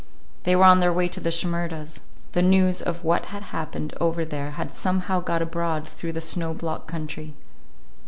They were on their way to the Shimerdas'. The news of what had happened over there had somehow got abroad through the snow blocked country.